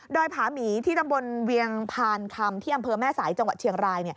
โดยผาหมีที่ตำบลเวียงพานคำที่อำเภอแม่สายจังหวัดเชียงราย